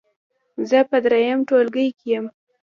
زه په دریم ټولګي کې یم.